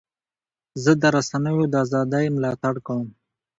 زه د رسنیو د ازادۍ ملاتړ کوم.